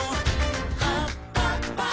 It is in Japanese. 「はっぱっぱ！」